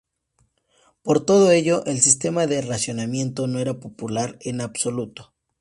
Por todo ello, el sistema de racionamiento no era popular en absoluto.